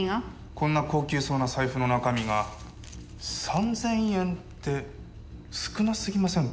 こんな高級そうな財布の中身が３０００円って少なすぎませんか？